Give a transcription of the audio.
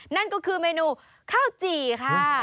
นั่นก็คือเมนูข้าวจี่ค่ะ